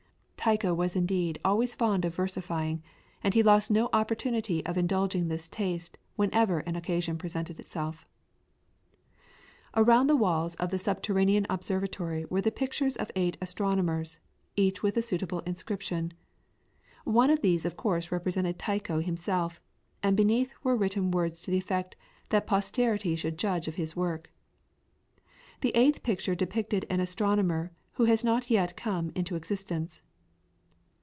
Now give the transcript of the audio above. Tycho was indeed always fond of versifying, and he lost no opportunity of indulging this taste whenever an occasion presented itself. Around the walls of the subterranean observatory were the pictures of eight astronomers, each with a suitable inscription one of these of course represented Tycho himself, and beneath were written words to the effect that posterity should judge of his work. The eighth picture depicted an astronomer who has not yet come into existence.